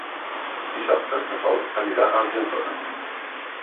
Dissabte na Sol anirà a Argentona.